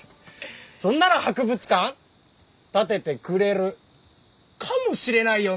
そんなら博物館建ててくれるかもしれないよねえ？